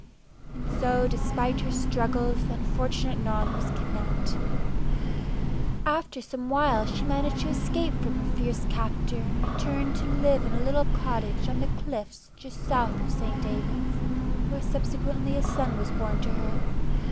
And so despite her struggles the unfortunate Non was kidnapped. After some while she managed to escape from her fierce captor and returned to live in a little cottage on the cliffs just south of St. Davids, where subsequently a son was born to her.